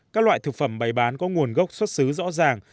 các loại thực phẩm bày bán có nguồn gốc xuất xứ rõ ràng